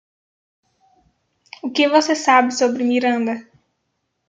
O que você sabe sobre Miranda?